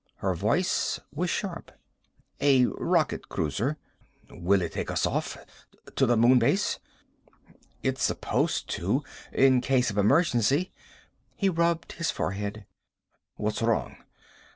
Her voice was sharp. "A rocket cruiser." "Will it take us off? To the Moon Base?" "It's supposed to. In case of emergency." He rubbed his forehead. "What's wrong?"